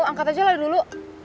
angkat aja lah dulu